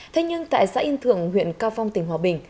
thế nhưng tại xã yên thượng huyện cao phong tỉnh hòa bình